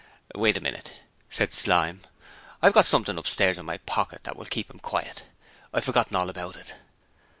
'Wait a minute,' said Slyme, 'I've got something upstairs in my pocket that will keep him quiet. I'd forgotten all about it.'